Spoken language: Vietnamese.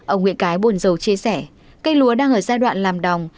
ông nguyễn cái bồn dầu chia sẻ cây lúa đang ở giai đoạn làm đồng